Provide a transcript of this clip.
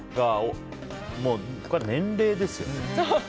これは年齢ですよ。